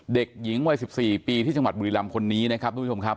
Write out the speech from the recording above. เด็กหญิงวัย๑๔ปีที่จังหวัดบุรีรำคนนี้นะครับทุกผู้ชมครับ